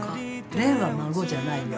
蓮は孫じゃないよ。